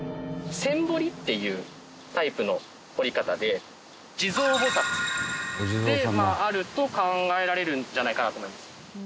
線彫りっていうタイプの彫り方で地蔵菩薩であると考えられるんじゃないかなと思います。